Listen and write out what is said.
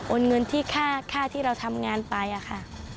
เงินที่ค่าที่เราทำงานไปอะค่ะ